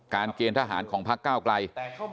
เกณฑ์ทหารของพักเก้าไกล